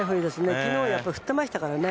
昨日は振ってましたから。